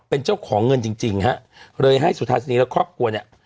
เป็นเจ้าของเงินจริงจริงฮะเลยให้สุธานีและครอบครัวเนี่ย